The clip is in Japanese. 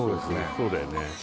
そうだよね